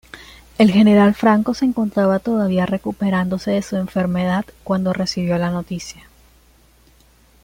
El general Franco se encontraba todavía recuperándose de su enfermedad cuando recibió la noticia.